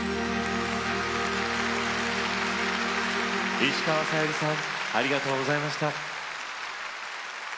石川さゆりさんありがとうございました。